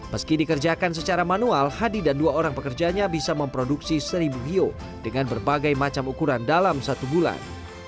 meski dikerjakan secara manual hadi dan dua orang pekerjanya bisa memproduksi seribu bio dengan berbagai macam ukuran dalam satu bulan